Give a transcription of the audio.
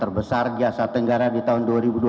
yang terbesar jasa tenggara di tahun dua ribu dua puluh